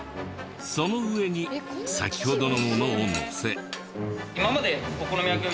その上に先ほどのものをのせ。